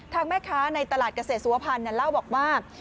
ทางแม่ค้าในตลาดเกษตรสุวพันธ์เล่าบอกว่า